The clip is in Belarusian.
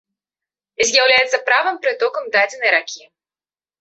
З'яўляецца правым прытокам дадзенай ракі.